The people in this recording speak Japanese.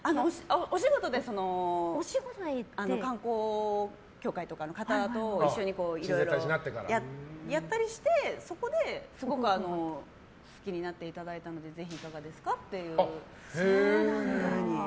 お仕事で観光協会とかの方と一緒にいろいろやったりしてそこですごく好きになっていただいたのでぜひどうですかっていうふうに。